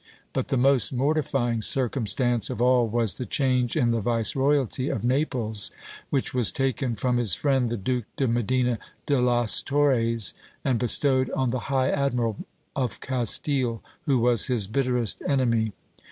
But the most mortifying circumstance of all was the change in the viceroyalty of Naples, which was taken from his friend, the Duke de Medina de las Torres, and bestowed on the High Admiral of Castile, who was his bitterest enemy.